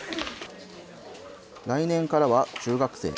来年からは中学生。